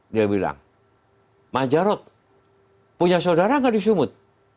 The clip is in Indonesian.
dia bilang majarot punya saudara nggak di sumut